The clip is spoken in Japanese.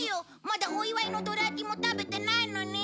まだお祝いのどら焼きも食べてないのに！